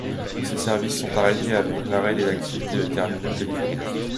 Ces services sont arrêtés avec l'arrêt des activités de terminaux téléphoniques.